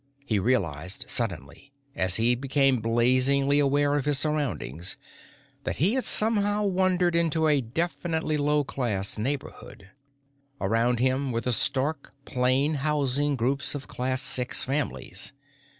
He realized suddenly, as he became blazingly aware of his surroundings, that he had somehow wandered into a definitely low class neighborhood. Around him were the stark, plain housing groups of Class Six families.